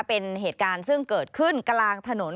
เป็นเหตุการณ์ซึ่งเกิดขึ้นกลางถนน